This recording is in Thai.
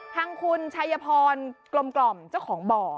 ทางคุณชัยพรกลมเจ้าของบ่อ